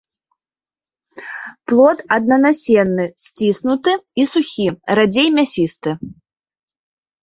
Плод аднанасенны, сціснуты і сухі, радзей мясісты.